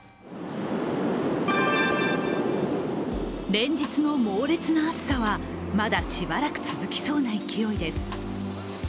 連日の猛烈な暑さはまだしばらく続きそうな勢いです。